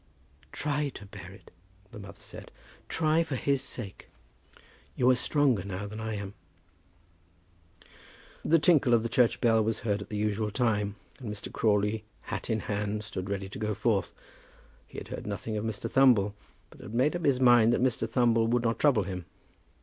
"Try to bear it," the mother said. "Try, for his sake. You are stronger now than I am." The tinkle of the church bell was heard at the usual time, and Mr. Crawley, hat in hand, stood ready to go forth. He had heard nothing of Mr. Thumble, but had made up his mind that Mr. Thumble would not trouble him.